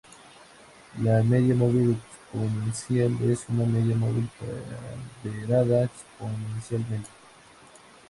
La media móvil exponencial es una media móvil ponderada exponencialmente.